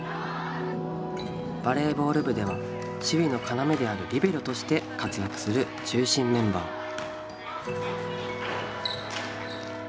バレーボール部では守備の要であるリベロとして活躍する中心メンバー。